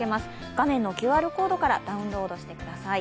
画面のＱＲコードからダウンロードしてください。